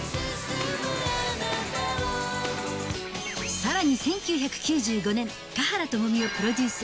さらに１９９５年、華原朋美をプロデュース。